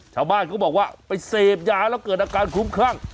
ชาวบ้านเขาบอกว่าไปเสพยาแล้วเกิดอาการคุ้มคลั่ง